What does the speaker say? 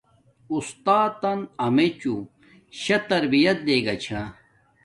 اُستاتن امیچوں شاہ تربیت دیگا چھا